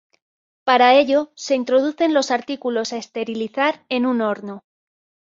Para ello se introducen los artículos a esterilizar en un horno.